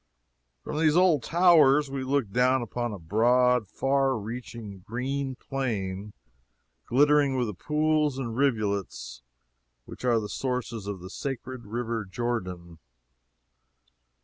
From these old towers we looked down upon a broad, far reaching green plain, glittering with the pools and rivulets which are the sources of the sacred river Jordan.